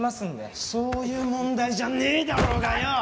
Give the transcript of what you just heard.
そういう問題じゃねえだろうがよ。